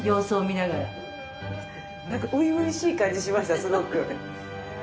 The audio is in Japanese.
なんか初々しい感じしましたすごく。